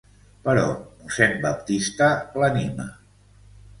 Però mossèn Baptista l'anima.